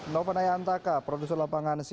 nova naya antaka produser lapangan cnn indonesia